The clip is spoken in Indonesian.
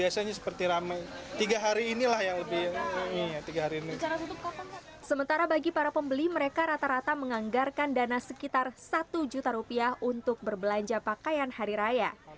sementara bagi para pembeli mereka rata rata menganggarkan dana sekitar satu juta rupiah untuk berbelanja pakaian hari raya